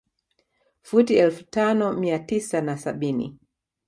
Futi elfu tano mia tisa na sabini